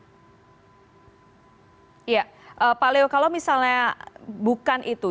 ya pak leo kalau misalnya bukan itu